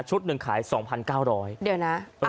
ชุดนึงขาย๒๙๐๐บาท